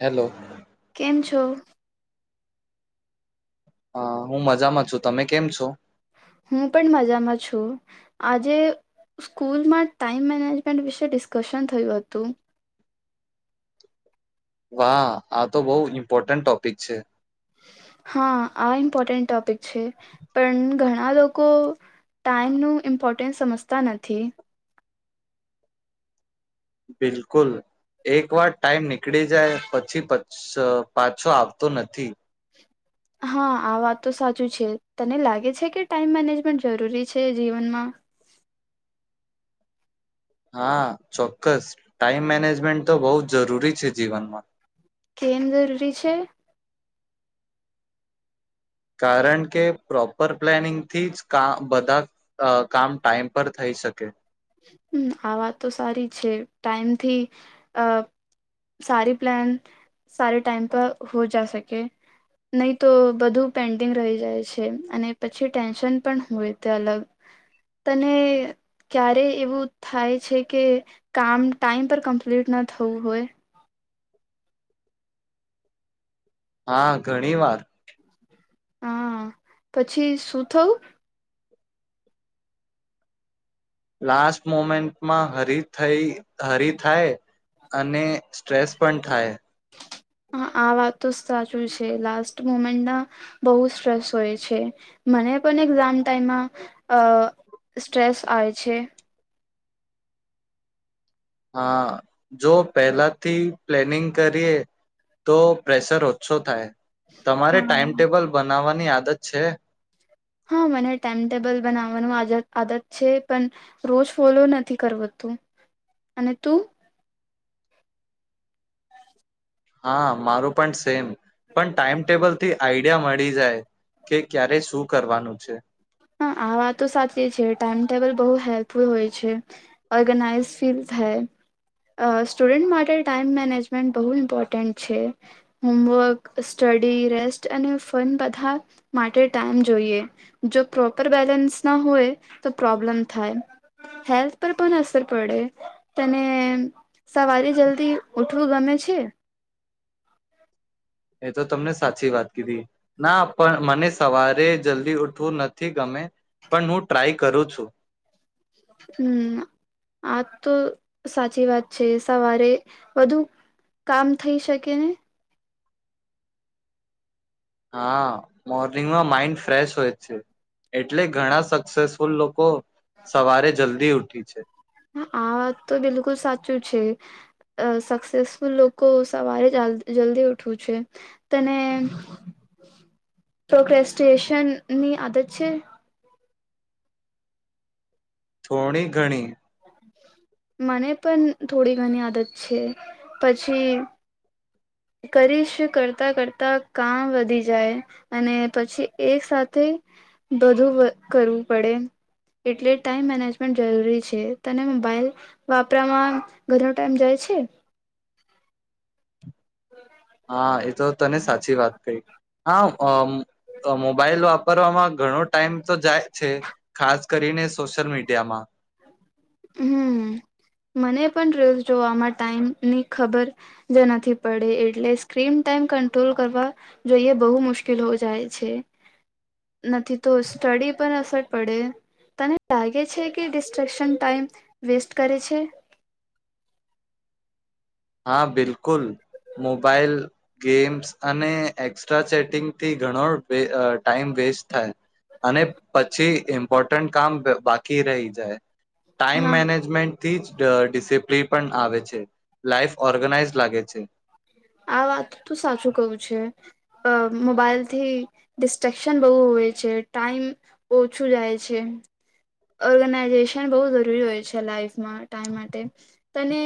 Hello. કેમ છો? હા, હું મજામાં છું. તમે કેમ છો? હું પણ મજામાં છું. આજે સ્કૂલમાં ટાઈમ મેનેજમેન્ટ વિશે ડિસ્કશન થયું હતું. વાહ, આ તો બઉ ઇમ્પોર્ટન્ટ ટોપિક છે. હા, આ ઇમ્પોર્ટન્ટ ટોપિક છે પણ ઘણા લોકો ટાઈમનું ઇમ્પોર્ટન્સ સમજતા નથી. બિલકુલ, એક વાર ટાઈમ નીકળી જાય પછી પાછ-પાછો આવતો નથી. હા, આ વાત તો સાચું છે. તને લાગે છે કે ટાઈમ મેનેજમેન્ટ જરૂરી છે જીવનમાં? હા, ચોક્કસ ટાઈમ મેનેજમેન્ટ તો બહુ જ જરૂરી છે જીવનમાં. કેમ જરૂરી છે? કારણ કે, પ્રોપર પ્લાનિંગથી જ કાઅ બધા અ કામ ટાઈમ પર થઈ શકે. હમ્મ, આ વાત તો સારી છે. ટાઈમથી અ સારી પ્લાન સારી ટાઈમ પર હો જ શકે નહી તો બધું પેન્ડિંગ રહી જાય છે અને પછી ટેન્શન પણ હોય તે અલગ તને ક્યારે એવું થાય છે કે કામ ટાઈમ પર કમ્પ્લીટ ના થવું હોય. હા, ઘણી વાર. હમ્મ, પછી શું થવું? લાસ્ટ મોમેન્ટમાં હરી થઈ હરી થાય અને સ્ટ્રેસ પણ થાય. હા, આ વાત તો સાચું છે લાસ્ટ મુમેન્ટમાં બહુ સ્ટ્રેસ હોય છે. મને પણ એક્ઝામ ટાઈમમાં અ સ્ટ્રેસ આવે છે. હા, જો પહેલાથી પ્લેનિંગ કરીએ તો પ્રેશર ઓછો થાય. તમારે હા ટાઈમટેબલ બનાવવા ની આદત છે. હા, મને ટાઈમટેબલ બનાવવાનું આજદ આદત છે પણ રોજ ફોલો નથી કરાવતું. અને તું? હા, મારું પણ સેમ. પણ ટાઈમટેબલ થી આઈડિયા મળી જાય કે ક્યારે શું કરવાનું છે? હા, આ વાતો સાચી છે ટાઈમ ટેબલ બહુ હેલ્પફુલ હોય છે. ઓર્ગનાઈઝ ફીલ થાય. અ સ્ટુડન્ટ માટે ટાઈમ મેનેજમેન્ટ બહુ ઇમ્પોર્ટન્ટ છે. હોમવર્ક, સ્ટડી, રેસ્ટ અને ફન બધા માટે ટાઈમ જોઈએ જો પ્રોપર બેલેન્સ ના હોય તો પ્રોબ્લેમ થાય હેલ્થ પર પણ અસર પડે તને સવારે જલ્દી ઉઠવું ગમે છે એ તો તમને સાચી વાત કીઘી ના પણ મને સવારે જલ્દી ઉઠવું નથી ગમે પણ હું ટ્રાય કરું છું હમ આ તો સાચી વાત છે સવારે બધુ કામ થઈ શકે ને હા મોર્નિંગમાં માઈન્ડ ફ્રેશ હોય જ છે એટલે ઘણા સક્સેસફુલ લોકો સવારે જલ્દી દેવઠી છે આ વાત તો બિલકુલ સાચું છે સક્સેસફુલ લોકો સવારે જલ્દી ઉઠવું છે તને પ્રોસ્ટશન ની આદત છે થોડી ઘણી મને પણ થોડી ઘણી આદત છે પછી કરીશ કરતાં કરતાં કામ વધી જાય અને પછી એક સાથે બધું કરવું પડે એટલે ટાઈમ મેનેજમેન્ટ જરૂરી છે તને મોબાઈલ વાપરવામાં ઘણ ટાઈમ જાય છે હમ હા એ તો તને સાચી વાત કહી હા મોબાઈલ વાપરવામાં ઘણો ટાઈમ તો જાય છે ખાસ કરીને સોશિયલ મીડિયામાં જો આમાં ટાઈમ ની ખબર નથી પડે એટલે સ્ક્રીન ટાઈમ કટ્રોલ કરવા જોઈએ બહુ મુશ્કેલ હો જાય છે નથી તો સ્ટડી પર અસર પડે તને લાગે છે કે ડિસ્ટ્રેક્શન ટાઈમ વેસ્ટ કરે છે હા બિલકુલ મોબાઈલ ગેમ્સ અને એક્સ્ટસ્ટ્રા ચેટિંગથી ઘણો ટાઈમ વેસ્ટ થાય અને પછી ઇમ્પોર્ટ કામ બાકી રહી જાય ટાઈમ હા મેનેજમેન્ટ થી જ ડિસિપ્લિન પણ આવે છે લાઈફ ઓર્ગનાઈઝ લાગે છે આ વાત તો સાચું કવું છે અ મોબાઈલથી ડિસ્ટક્શન બહુ હોય છે ટાઈમ ઓછું જાય છે ઓર્ગેનાઇઝેશન બહુ જરૂરી હોય છે લાાઈફમાં ટાઈમ માટે તને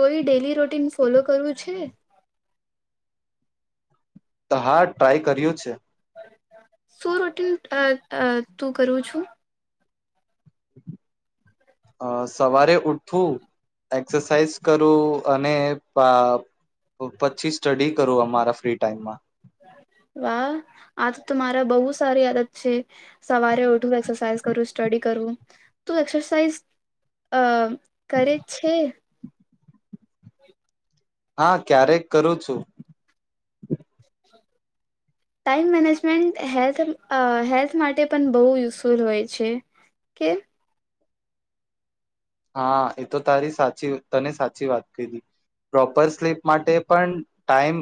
કોઈ ડેલી રૂટીન ફોલો કરવું છે તો હા ટ્રાય કર્યું છે શું રોટીન તું કરું છું અ સવારે ઉઠવું એક્સરસાાઈઝ કરું અને પછી સ્ટડી કરું અમારા ફ્રી ટાઈમમાં વાહ આ તો મારા બહુ સારી આદત છે સવારે ઉઠવું એક્સરસાઇઝ કરું સ્ટડી કરવું તો એક્સરસાઇઝ અ કરે છે [unintelligible] હા ક્યારેક કરું છું ટાઈમ મેનેજમેન્ટ હેલ્થ હેલ્થ માટે પણ બહુ યુઝફુલ હોય છે કે હા એ તો તારી સાચી તને સાચી વાત કઘી પ્રોપર સ્લીપ માટે પણ ટાઈમ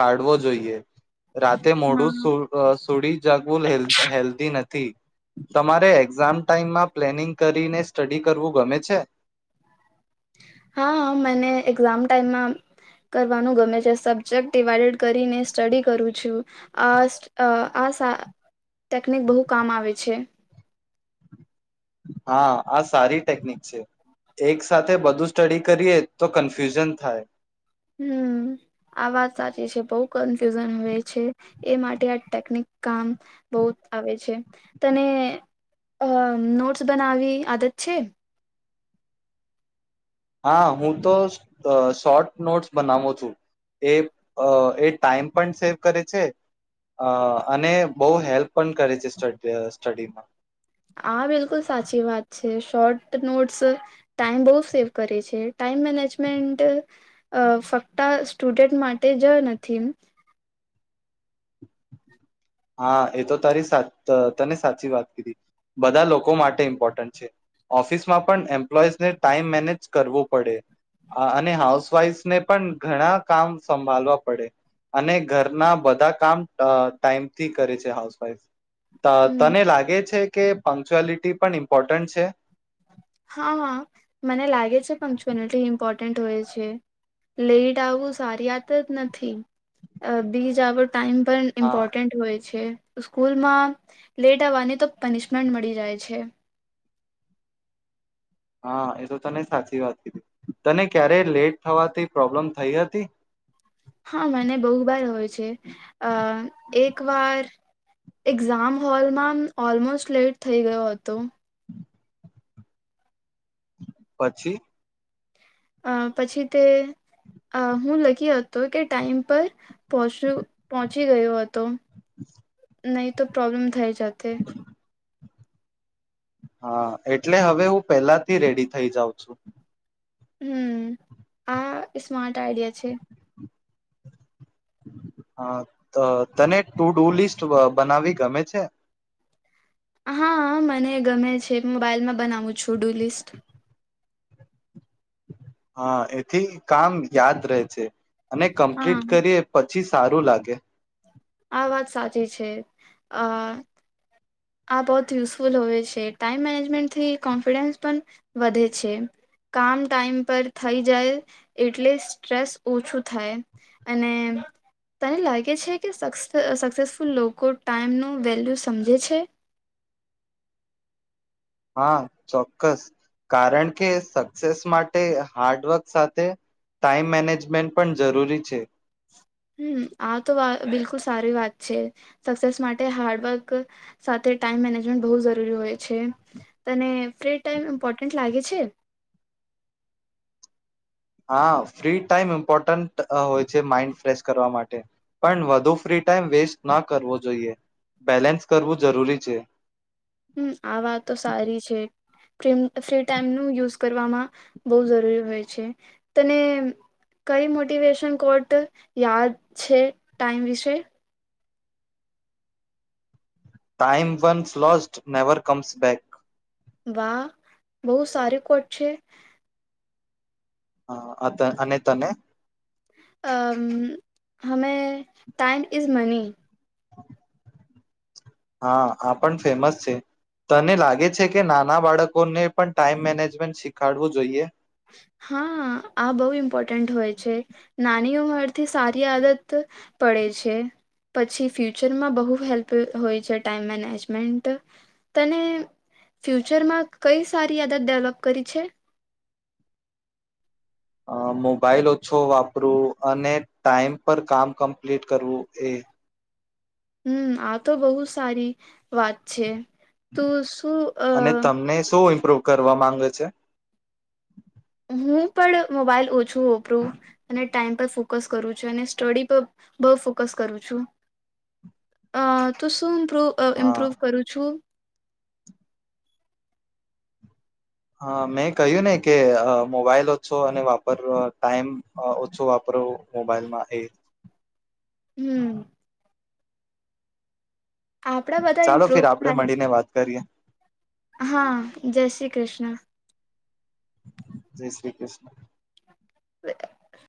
કાઢવો જોઈએ. રાતે મોડું હા સુ સુડી જાગલ હેલ્ધ નથી તમારે એક્ઝામ ટાઈમમાં પ્લેનિંગ કરીને સ્ટડી કરવું ગમે છે. હા મને એક્ઝામ ટાઈમમાં કરવાનું ગમે છે સબ્જેક્ટ ડિવાઈડેડ કરીને સ્ટડી કરું છું આ આ ટેકનિક બહુ કામ આવે છે. હા આ સારી ટેકનિક છે એક સાથે બધું સ્ટડી કરીએ તો કન્ફ્યુઝન થાય. હમ આ વાત સાચી છે બહ કન્ફ્યુઝન હોય છે એ માટે આ ટેકનિક કામ બહ આવે છે તને અ નોટ્સ બનાવી આદત છે. હા હું તો શોર્ટ નોટ્સ બનાવું છું, એ એ ટાઈમ પણ સેવ કરે છે, અને બહુ હેલ્પ પણ કરે છે, સ્ટસ સ્ટડીમાં હા બિલકુલ સાચી વાત છે શોર્ટ નોટ્સ, ટાઈમ બહુ સેવ કરે છે ટાઈમ મેનેજમેન્ટ, ફક્ત સ્ટુડન્ટ માટે જ નથી. હા એ તો તારી સા તને સાચી વાત કીધી, બધા લોકો માટે ઇમ્પોર્ટન્ટ છે ઓફિસમાં પણ એમ્પ્લોઈઝને ટાઈમ મેનેજ કરવું પડે, અને હાઉસવાઈફને પણ ઘણા કામ સંભાળવા પડે, અને ઘરના બધા કામ ટાઈમ થી કરે છે હાઉસવાઈફ. હમ તને લાગે છે કે પંક્ચ્યુઆલિટી પણ ઇમ્પોર્ટન્ટ છે. હા હા મને લાગે છે પંક્ચુઅલિટી ઇમ્પોર્ટન્ટ હોય છે, લેટ આવવું સારી વાત જ નથી, બીજ આવડ ટાઈમ પણ હા ઇમ્પોર્ટન્ટ હોય છે. સ્કૂલમાં લેટ આવવાની તો પનિશમેન્ટ મળી જાય છે. હા એ તો તને સાચી વાત કીધી, તને ક્યારે લેટ થવાથી પ્રોબ્લેમ થઈ હતી? હા મને બહુ બાર હોય છે, અ એક વાર એક્ઝામ હોલમાં ઓલમોસ્ટ લેટ થઈ ગયો હતો. પછી? અ પછી તે હું લખી હતો કે ટાઈમ પર પહચ્યું. પહોંચી ગયો હતો, નહી તો પ્રોબ્લેમ થાય છે. [unintelligible] હા એટલે હવે હું પેલાથી રેડી થઇ જાઉં છું. હમ આ સ્માર્ટ આઈડિયા છે. હા તને ટુ ડુ લિસ્ટ બનાવી ગમે છે? હા મને ગમે છે મોબાઈલમાં બનાવું છું ડુ લિસ્ટ. હા એથી કામ યાદ રહે છે. અને કમ્પ્લીટ હા કરીએ પચીસ સારું લાગે. આ વાત સાચી છે, આ. આ બહુત યુઝફુલ હોય છે, ટાઈમ મેનેજમેન્ટથી કોન્ફિડન્સ પણ વધે છે, કામ ટાઈમ પર થઈ જાય એટલે સ્ટ્રેસ ઓછું થાય, અને તને લાગે છે કે સક્સેસફુલ લોકો ટાઈમનું વેલ્યુ સમજે છે? હા ચોક્કસ, કારણ કે સક્સેસ માટે હાર્ડવર્ક સાથે ટાઈમ મેનેજમેન્ટ પણ જરૂરી છે. આ તો બિલકુલ સારી વાત છે, સક્સેસ માટે હાર્ડવર્ક સાથે ટાઈમ મેનેજમેન્ટ બહુ જરૂરી હોય છે, તને.. ફ્રી ટાઈમ ઈન્પોર્ટેન્ટ લાગે છે? છે? હા ફ્રી ટાઈમ ઇમ્પોર્ટન્ટ હોય છે માઈન્ડ ફ્રેશ કરવા, માટે પણ વધુ ફ્રી ટાઈમ વેસ્ટ ન કરવો જોઈએ, બેલેન્સ કરવું જરૂરી છે. આ વાત તો સારી છે, ફ્રી ટાઈમનું યુઝ કરવામાં બહુ જરૂરી હોય છે, તને કઈ મોટિવેશન કોટ યાદ છે? ટાઈમ વિશે. Time one lost never comes back. વાહ બહુ સારી કોટ છે. હા અ અને તને? અ હમે ટાઈમ ઇઝ મની. હા આ પણ ફેમસ છે, તને લાગે છે કે નાના બાળકોને પણ ટાઈમ મેનેજમેન્ટ શીખાડવું જોઈએ? હા આ બહુ ઇમ્પોર્ટન્ટ હોય છે, નાની ઉંમરથી સારી આદત પડે છે, પછી ફ્યુચરમાં બહુ હેલ્પ હોય છે ટાઈમ મેનેજમેન્ટ, તને ફ્યુચરમાં કઈ સારી આદત ડેવલપ કરી છે? અ મોબાઈલ ઓછો વાપરું અને ટાઈમ પર કામ કમ્પ્લીટ કરવું એ. હમ્મ આ તો બહુ સારી વાત છે તો શું અ પ્રૂવ કરવા માંગે છે હું પણ મોબાઈલ ઓછું વાપરું અને ટાઈમ પર ફોકસ કરું છું અને સ્ટડી પર બહુ ફોકસ કરું છું અ તો શું [unintelligible] અ હા ઇમ્પ્રુવ કરું છું હા મેં કહ્યું ને કે મોબાઈલ ઓછો અને વાપર ટાઈમ ઓછો વાપરવું મોબાઈલમાં એ હમ્મ આપડા બધા ચાલો ઇમ્પ્રુવ ફિર આપડે થાય મળીને વાત કરીએ. હા જય શ્રી કૃષ્ણ. જય શ્રી કૃષ્ણ. [unintelligible]